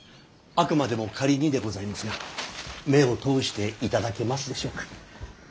あくまでも仮にでございますが目を通していただけますでしょうか。